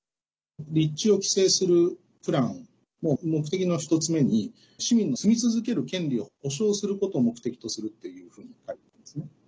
立地を規制するプランの目的の１つ目に市民の住み続ける権利を保障することを目的とするというふうに書いてあるんですね。